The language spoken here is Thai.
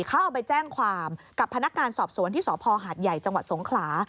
เขาเอาไปแจ้งความกับพนักงานสอบสวนที่สพหาดใหญ่จังหวัดสงขลา